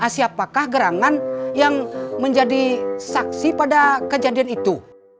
siapakah gerangan yang menjadi saksi pada kejadian itu